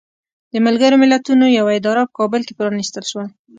د ملګرو ملتونو یوه اداره په کابل کې پرانستل شوه.